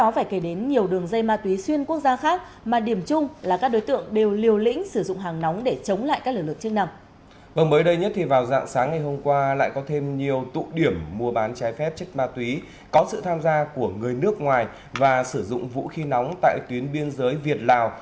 vẹn đã thêm nhiều tụ điểm mua bán trái phép chất ma túy có sự tham gia của người nước ngoài và sử dụng vũ khí nóng tại tuyến biên giới việt lào